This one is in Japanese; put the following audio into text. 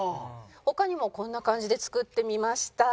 他にもこんな感じで作ってみました。